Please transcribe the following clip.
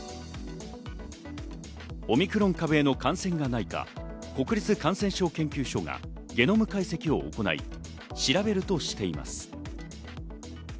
オミクロン株への感染がないか国立感染症研究所がゲノム解析を行い、調べるとしています。